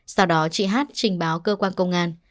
sau đó chị hát trình báo cơ quan công an